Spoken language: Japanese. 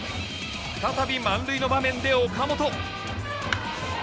再び満塁の場面で岡本。